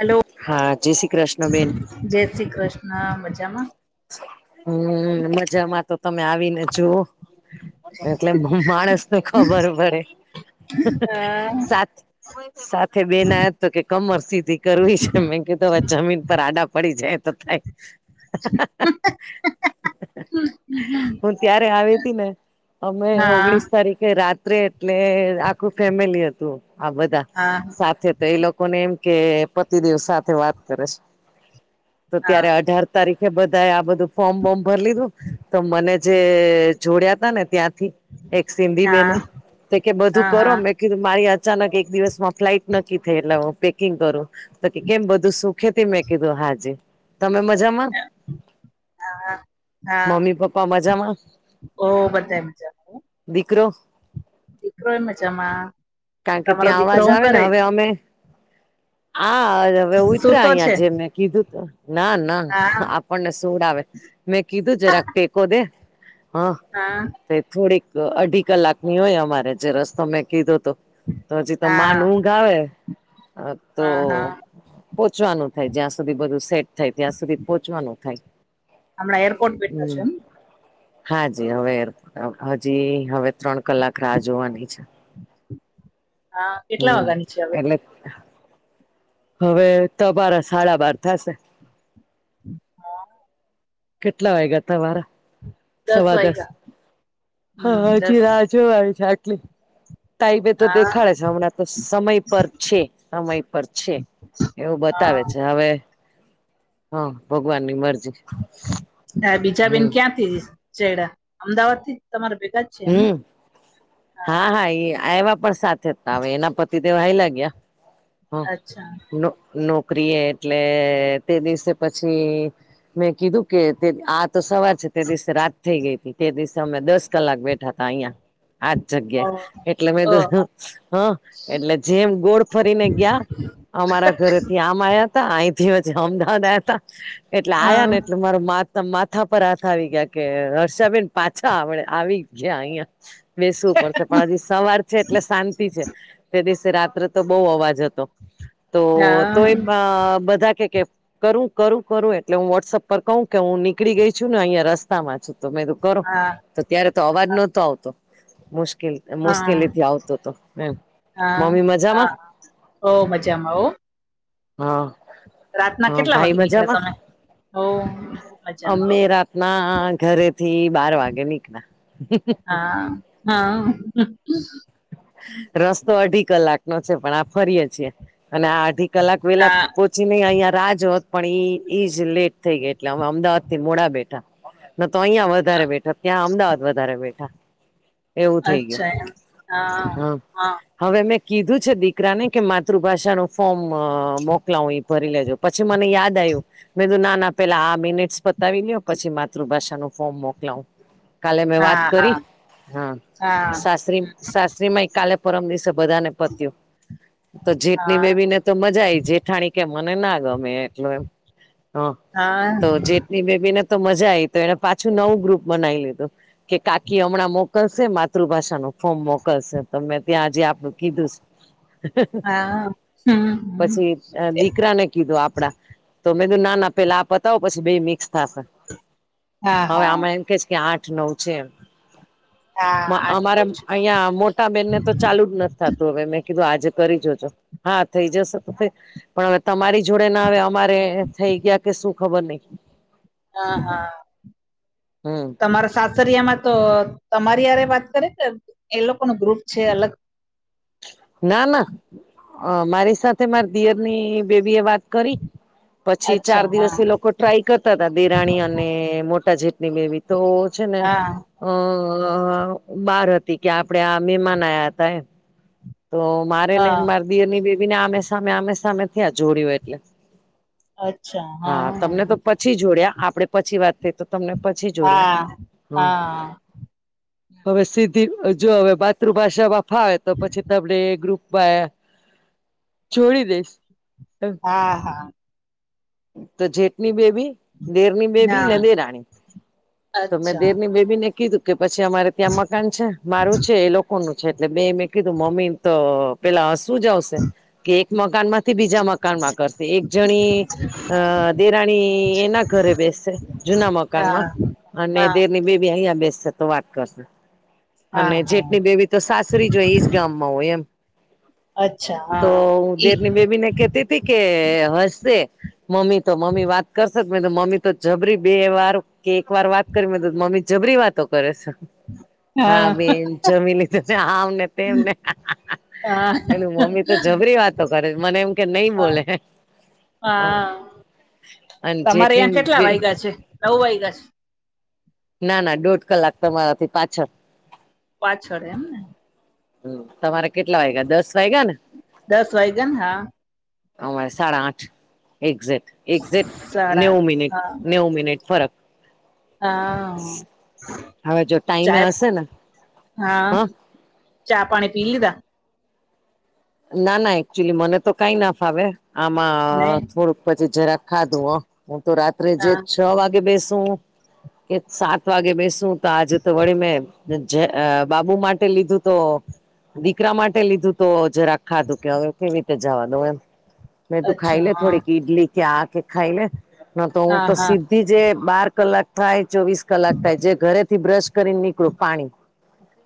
Hello હા જય શ્રી કૃષ્ણ બેન. જય શ્રી કૃષ્ણ મજામાં? હમ્મ, મજામાં તો તમે આવીને જુઓ? એટલે માણસને ખબર પડે હા સાત સાથે બેન આયા તો કે કમર સીધી કરવી છે મે કીધું હવે જમીન પર આડા પડી જાય તો થાય. છે. હું ત્યારે આવી હતી ને અમે હા ઓગણીસ તરીકેે રાત્રે એટલે આખું ફેમિલી હતું આ બધા હા સાથે. તો એ લોકો ને એમ કે પતિદેવ સાથે વાત કરે છે તો હા ત્યારે અઢાર તારીખે બધ ધાએ આ બધું ફોર્મ બોમ ભરી લીધું તો મને જે જોડયા તા ને ત્યાંથી એક સિંધી હા બેને તે કે બધું હા કરો હા મેં કીધું મારી અચાનક એક દિવસમાં ફ્લાઈટ નક્કી થઈ એટલે હું પેકિંગ કરું તો કે કેમ બધું સુ ખેથી મેં કીધુ હાજી તમે મજામાં. હા હા મમ્મી પપ્પા મજામાં ઓ બધાય મજામ. દીકરો એ મજામાં કારણ કે તમારો ત્યાં દીકરો અવાજ હું આવે ને કરે હવે અમે આ હવે ઉતરા સુતો છે અહિયાં જે મેં કીધુંતુ ના ના હા આ સુવડાવે મેં કીધું જરાક ટેકો દે હા. હા. તે થોડીક અઢી કલાકની હોય અમારે જે રસ્તો મેં કીધો તો. તો હજી તો હા માંડ ઊંઘ આવે હા તો પોહોંચવાનું થાય જ્યાં સુધી બધું સેટ થાય ત્યાં સુધી પોહોંચવાનું થાય. હમણાં એરપોર્ટ બેઠા છો હમ એમ. હાજી હવે એર [unintelligible] હજી હવે ત્રણ કલાક રાહ જોવાની છે. હા કેટલા હમ્મ વાગ્યાની છે હવે એટલે હવે તમારા સાડા બાર થાશે. [unintelligible] કેટલા વાગ્યા તમાંરા સવા દસ હ હમ દસ હજી રાજ જોવાની છે આટલી તાઇબે તો હા દેખાડે છે, હમણાં તો સમય પર છે, સમય પર છે. એવું હા બતાવે છે, હવે હા, ભગવાન ની મરજી. હા, બીજા બેન હમ ક્યાંથી ચડયા, અમદાવાદ થી તમારે ભેગા. છે એમ હમ, હા, હા, એ આય્વા પણ સાથે હતા, હવે એના પતિદેવ હાયલા ગ્યા. હા, અચ્છા નો નોકરી એ એટલે તે દિવસે પછી મેં કીધું કે તે આ તો સવાર છે, તે દિવસે રાત થઈ ગઈ હતી, તે દિવસે અમે દસ કલાક બેઠા તા, અહિયાં આજ ઓ જગ્યા, એટલે મે તો ઓ હ, એટલે જેમ ગોળ ફરીને ગ્યા અમારા ઘરેથી આમ આયાતા અહીથી પછી અમદાવાદ આવ્યા હતા, એટલે આયા ને હા એટલે મારા મા માથા પર હાથ આવી ગ્યા કે, હર્ષાબેન પાછા આવડે આવી ગ્યા અહિયાં. બેસવું પડશે, પણ હજી સવાર છે, એટલે શાંતિ છે, તે દિવસે રાત્રે તો બઉ અવાજ હતો, તો તો એમ હા બધા કે, કે કરું, કરું, કરું, એટલે હું વોટ્સઅપ પર કહું કે, હું નીકળી ગઈ છું ને, અહીંયા રસ સ્તામાં છું તો, મે તો કરો હા તો, ત્યારે તો અવાજ નતો આવતો, મુશ કે હા મુશ્કેલી થી આવતોતો, એમ મમ્મી મજા માં. ઓ મજામાં ઓ. હા. રાતના હા કેટલા ભાઈ વાગે નીકળ્યા મજામાં તમે? હઉ મજામાં હો. ના, ઘરેથી બાર વાગે નીકળ્યા. હા હા. રસ્તો અઢી કલાક નો છે, પણ આ ફરીએે છીએ, અને આ અઢી કલાક વેલા હા પો ચીને, અહિયાં રાહ જોવત, પણ ઈ ઈજ લેટ થઈ ગઈ, એટલે અમે અમદાવાદ થી મોડા બેઠા. ન તો અહિયાં વધારે બેઠા, ત્યાં અમદાવાદ વધારે બેઠા. એવું થઈ ગયું અચ્છા, એમ હા, હા. હવે મેં કીધું છે, દીકરા ને કે માતૃભાષાનો ફોર્મ મોકલાવ એ ભરી લેજો, પછી મને યાદ આવ્યું. મે તો નાના પેલા આ મિનિટસ પતાવી લ્યો, પછી માતૃભાષા નું ફોર્મ મોકલાવું. કાલે મેં વાત હા હા કરી. હા, સાસરી [unintelligible] કાલે-પરમ દિવસે બધા ને પત્યું, તો જીતની હા બેબી ને. તો મજા આઈ, જેઠાણી કે મને ના ગમે એટલું એમ. હ, હા હમ, હા હા તો જેટની બેબી ને તો મજા આઈ, તો એને પાછું, નવું ગ્રુપ બનાવી લીધું. કે કાકી હમણાં મોકલશે, માતૃભાષા નો ફોર્મ મોકલશે, તો મેં ત્યાં આજે આપડું કીધું છે. હા હમ હમ પછી દીકરાને કીધું, આપડા તો મેં નાના પહેલા પતાવો, પછી બે મિક્સ થાશે, હા હવે હા આમાં એમ કે, કે આઠ. નવ છે. હા, આઠ નવું છે. ત્યાં મોટા બેનને તો ચા ચાલુ જ નથી થતું, હવે મેં કીધું, આજે કરી જોજો. હા, થઈ જશે તો. પણ હવે તમારી જોડે ના આવે, અમારે થઈ ગયા કે શું? ખબર નહીં. હા, હા, હમ તમારા સાસરિયામાં તો તમારી આરે વાત કરે, એ લોકો નું ગ્રુપ છે અલગ. ના, ના, મારી સાથે મારી દિયરની બેબી એ વાત. કરી, પછી ચાર અચ્છા હા દિવસે એ લોકો ટ્રાય કરતા હતા, દેરાણી અને મોટા જેટની બેબી તો છે ને. હા અ બાર હતી કે આપડે આ મહેમાન આયા તા એમ તો મારે ને હા મારી દિયર ની બેબી ને આમે સામે આમે સામે થયા જોડયો એટલે. હા તમને તો પછી જોડયા આપડે પછી વાત થઈ તો તમને પછી જોડયા હા હમ. હા હવે સીધી જો હવે માતૃભાષામાં ફાવે તો પછી આપણે ગ્રુપમાં છોડી દઈશ. હા હા. તો જેટની બેબી દેરની બેબી ના ને દેરાણી, તો મેં અચ્છા દેરની બેબી ને કીધું. કે પછી અમારે ત્યાં મકાન છે મારું છે એ લોકો નુ છે એટલે બે મેં કીધું [unintelligible] તો પેલા શું જ આવશે કે એક મકાન માં તે બીજા મકાનમાં કરશે એક જણી અ દેરાણી એના ઘરે બેસસે જુના મકાનમાં હા અને હા દેરની બેબી અહિયાયા બેસશે તો વાત કરશે હા અને હા જેટની બેબી તો સાસરી જોય ઈજ ગામમાં હોય એમ, અચ્છા તો હા એ દેર ની બેબી ને કે કે હશે મમ્મી તો મમ્મી વાત કરશે. મમ્મી તો જબરી બે વાર કે એક વાર વાત કરી મે તો મમ્મી જબરી વાતો કરે છે. હા બેન જમી લીધું ને આમ ને તેમને હા પેલ મમ્મી તો જબરી વાતો કરે મને એમ કે નઈ હા બોલે હા અને તમારે જેટલી અયાં કેટલા વાયગા છે નવું વાઈગા છે. ના ના દોઢ કલાક તમારાથી પાછળ પાછળ એમ ને હ તમારે કેટલા વાયગ્યા દસ વાયગ્યા ને દસ વાગયા ન હા. અમારે સાડા આઠ એક્ઝેટ એક્ઝેટ સાડા નેવું આઠ મિનિટ હા નેવું મિનિટ ફરક હા હવે જો ટાઈમે ચાય હશે ને હા ચા પાણી પી લીધા. ના ના એકચુલી મને તો કઈ ના ફાવે. નહી આમાં થોડુંક પછી જરાક ખાધું હ હું તો રાત્રે જે હા છ છ વાગે બેસુ કે સાત વાગે બેસું તો આજે તો વળી મે જે અ બાબુ માટે લીધું તો દીકરા માટે લીધું તો જરાક ખાધું કે હવે કેવી રીતે જવાનું એમ મે તું ખાઈ અચ્છા લે હા થોડીક ઈડલી આ કે ખાઈ લે ન તો હું હા તો હા સીધી જે બાર કલાક થાય ચોવીસ કલાક થાય જે ઘરે થી બ્રશ કરીને નીકળું પાણી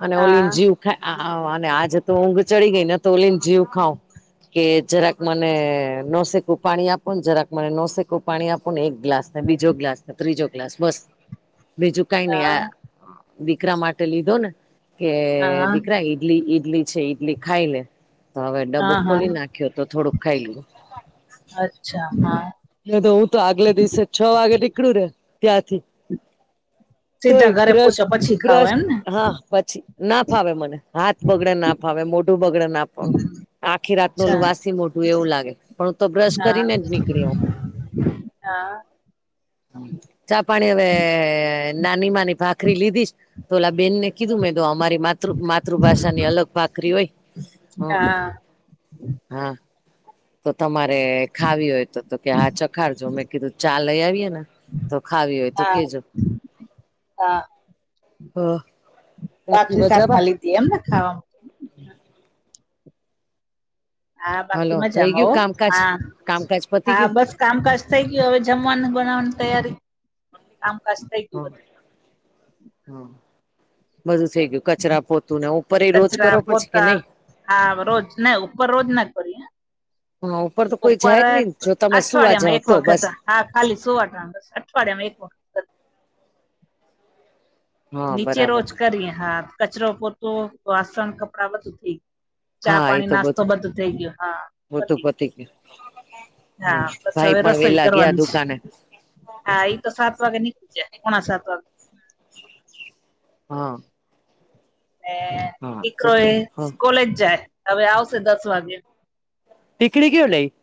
અને ઓલીને હા જીવ અને આ આજે તો ઊંઘ ચડી ગઈ ને તો ઓલી ને જીવ ખાવ કે જરાક મને નોસેકું પાણી આપો ને જરાક મને નોસેકું પાણી આપો ને એક ગ્લાસ ને બીજો ગ્લાસ ત્રીજો ગ્લાસ બસ [inaudible] બીજું કઈ નાઈ હા આ દીકરા માટે લીધો ને કે હા દીકરા ઈડલી ઈડલી છે ઈડલી ખાઈ લે તો હવે ડબ્બો હા ખોલી હા નાખી ખ્યો તો થોડુંક ખાઈ લે અચ્છા હા. એ તો હું તો આગલે દિવસે છ વાગે નીકળું રે ત્યાંથી તોય સીધા ઘરે બ્રશ પૂછો પછી ખાઓ બ્રશ એમ ને હા પછી ના ફાવે મને હાથ બગડે ના ફાવે મોઢું બગડે ના આખી રાત નું ઉલુ અચ્છા વાસી મોઢું એવું લાગે પણ હું તો બ્રશ કરીને જ નીકળી હું. ના ચા પાણી હવે નાની માની ભાખરી લીધી છે ઓલા બેનને કીધું મેં તો અમારી મા તૃ માતૃભાષાની અલગ ભાકરી હોય અ હા હા તો તમારે ખાવી હોય તો કે હા ચખાડજો મેં કીધું ચા ચા લઈ આવીએ ને તો ખાવી હોય તો હા કેજો હા અહ બાખરી સાથમાં લીધી એમને ખાવામાં હા બાકી હલો થઈ મજામાં હો ગયું કામકાજ હા કામકાજ પતી હા ગયું બસ કામકાજ થઇ ગયું હવે જમવાનું બનાવવાનું તૈયારી કામકાજ થઈ ગયું બધું હા બધું થઈ ગયું કચરા પોતું ને ઉપર એ રોજ કચરા કરો પછી કે પોતા નહી? હા રોજ ના ઉપર રોજ ના કરીએ. હા તો કોઈ ઉપર જાય જ નહી જો તમે સુવા અઠવાડિયામાં જાવ એક તો બસ વખત હા ખાલી સોવા ટાળે બસ અઠવાડિયામાં એક વખત હા નીચે રોજ બરાબર કરી હા કચરો પોતો વાસણ કપડાં બધું થઈ ગયુ ચા હા એ પાણી તો નાસ્તો બધું થઈ ગયું હા પતી ગયું. હા બસ ભાઈ હવે પણ રસોઈ વેલા ગયા કરવાની છે. દુકાને હા ઈ તો સાત વાગે નીકળી જાય પોણા સાત વાગે હા. અને હા તો દીકરો તો એ હા કોલેજ જાય હવે આવશે દસ વાગે [unintelligible]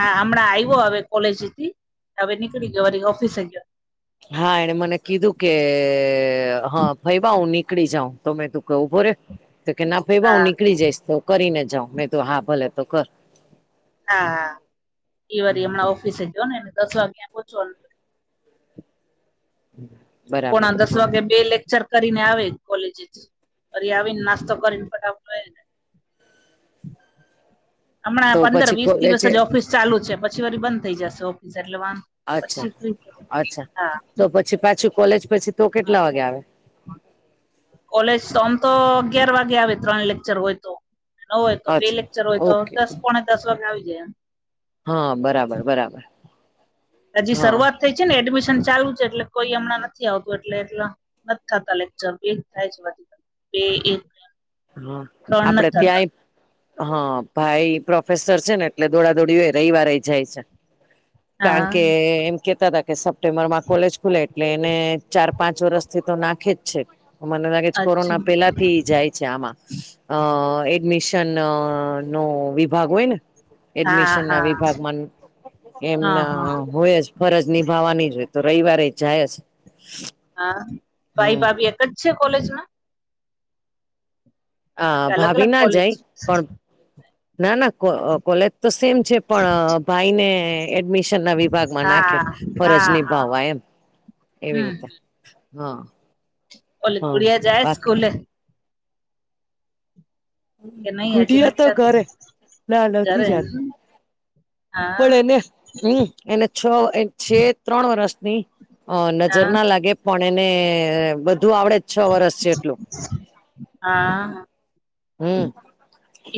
આ હમણાં આવ્યો હવે કોલેજ થી હવે નીકળી ગયો ને ઓફિસે ગયો. હા એને મને કીધું કે હ ફઈબા હું નીકળી જાઉં તો મે તો કઉ ઉભો રે તો કે ના ફઈબા હું હા નીકળી જઈશ તો કરીને જાાવ મેં કીધું હા ભલે તો કર. હા એ વરી હમણાં ઓફિસે જઓ ને તો દસ વાગ્યે પહચો. [inaudible] પોણા દસ હા વાગે બે લેક્ચર કરીને આવે કોલેજ થી ફરી આવીને નાસ્તો કરીને ફટાફ હમણાં તો પંદર પછી વીસ દિવસ કોલેજે જ ઓફિસ ચાલુ છે પછી વારી બંધ થઈ જશે ઓફિસ એટલે વાંધ અચ્છા પછી ફ અચ્છા હા તો પછી પાછું કોલેજ પછી તો કેટલા વાગે આવે? કોલેજ તો આમ તો અગિયાર વાગે આવે ત્રણ લેક્ચર હોય તો ન હોય તો બે અચ્છા લેક્ચર હોય તો ઓકે દસ પોણે દસ વાગે આવી જાય એમ હા બરાબર બરાબર. હજી હા શરૂઆત થઈ છે ને એડમિશન ચાલુ છે એટલે કોઈ હમણાં નથી આવતું એટલે એટલે નથ થતા લેક્ચર એક થાય છે બે એક હા ત્રણ આપડે નથી થતા ત્યાંય હ ભાઈ પ્રોફેસર છે ને એટલે દોડા દોડી હોય રવિવારે ય જાય છે. હા કારણ કે એમ કેતા હતા કે સપ્ટેમ્બર માં કોલેજ ખુલે એટલે એને ચાર પાંચ વરષથી તો નાખે જ છે મને લાગે છે અચ્છા કોરોના પેલા થી જાય છે આમાં અ એડમિશન નો વિભાગ હોય ને હા એડમિશન ના હા વિભાગમાં હા એમના હા હોય જ ફરજ નિભાવવાની જ હોય તો રયવારેય જાય જ હા ભાઈ હમ ભાભી એક જ છે કોલેજમાં? હ કે અલગ ભાભી અલગ ના કોલેજ જાય છે પણ ના ના કો કોલેજ તો સેમ છે પણ ભાઈને એડમિશન ના વિભાગમાં નાખે ફરજ નીભાવવા એમ. હમ એવી હમ. રીતે હા ઓલ હા ગુડીયા જાય બાકી સ્કુલે? કે નહી હજી ગુડીયા નથ તો ઘરે. જતી ના નથી ઘરે જાતી. હા પણ એને હમ એને છ એ છે ત્રણ વર્ષની હ નજર હા ના લાગે પણ એને બધું આવડે જ છ વરષ જેટલું. હા હમ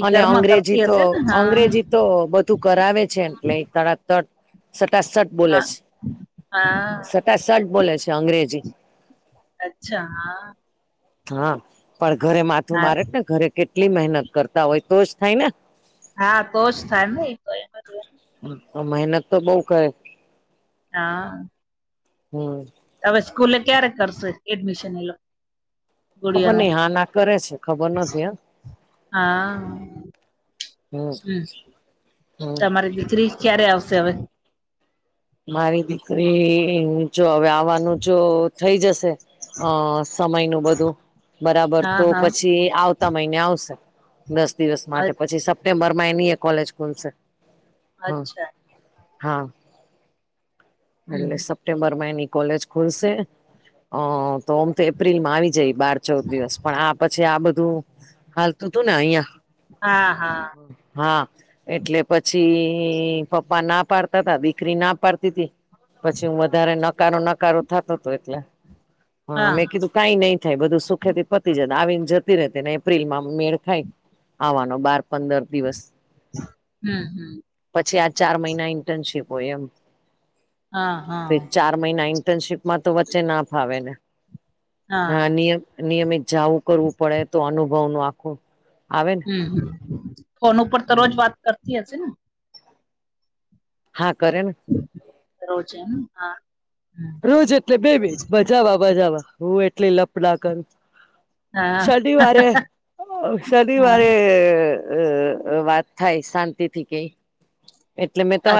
એ અને ઘરમાં અંગ્રેજી કરતી તો હશે ને હા અંગ્રેજી તો બધું કરાવે છે એમ એટલે તળા [unintelligible] [unintelligible] સટાસઠ બોલે હા છે હા સટાસઠ બોલે છે અંગ્રેજી અચ્છા હા હા પણ ઘરે માથું હા મારે ઘરે કેટલી મહેનત કરતા હોય તો જ થાય ને. હા તોજ થાય તો એજ [unintelligible] [unintelligible] મહેનત તો બઉ કરે હા હમ હવે સ્કૂલે ક્યારે કરશે એડમિશન એ લોકો ખબર ગુડીયા નું નઈ હા ના કરે છે ખબર નથી હ હા હમ હમ તમારી દીકરી ક્યારે આવશે હવે? મારી દીકરી હ જો હવે આવવાનું જો થઈ જશે અ સમયનું બધું બરાબર હા તો હા પછી આવ આવતા મહિને આવશે દસ દિવસ અ માટે પછી સપ્ટેમ્બરમાં એની એ કોલેજ ખુલશે. હમ અચ્છા હા. હમ એટલે સપ્ટેમ્બરમાં એની કોલેજ ખુલશે અ તો આમ તો એપ્રિલમાં આવી જાય બાર ચૌદ દિવસ પણ આ પછી આ બધું હાલતું તું ને અહિયાં હા હા. હા એટલે પછી પપ્પા ના પાડતા તા દીકરી ના પાડતી પછી હું વધારે નકારો નકારો થાતો તું એટલે હા મેં કીધું કઈ નઈ થાય બધું સુખે થી પતી જ આવીને જતી રતીને એપ્રિલમાં મેળ ખાય આવવાનો બાર પંદર દિવસ. હમ હમ. પછી આ ચાર મહિના ઇન્ટર્નશીપ હોય એમ. હા. તો એક હા ચાર મહિના ઇન્ટર્નશીપમાં તો વચ્ચે ના ફાવે એને. હ હા નિયમ નિયમિત જાવું કરવું પડે તો અનુભવનું આખું આવે ને હમમ ફોન ઉપર તો રોજ વાત કરતી હશે ને? હા કરે ને. રોજે હા. હમ. રોજ એટલે બે મિનિટ મજામા મજામા હું એટલી લપ ના કરું. હા શનિવારે હા શનિવારે અ વાત થાય શાંતિથી કે એટલે મેં તો